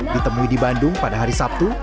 ditemui di bandung pada hari sabtu